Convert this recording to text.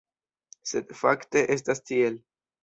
Sed fakte estas tiel.